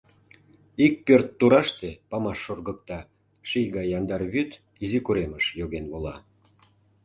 Ик пӧрт тураште памаш шоргыкта, ший гай яндар вӱд изи коремыш йоген вола.